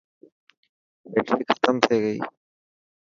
بيٽري ختم ٿي گئي.